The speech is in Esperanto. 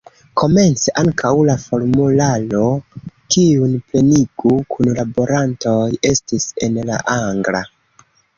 Komence ankaŭ la formularo, kiun plenigu kunlaborantoj, estis en la angla.